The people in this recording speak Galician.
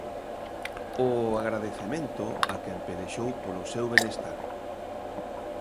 O agradecemento a quen pelexou polo seu benestar.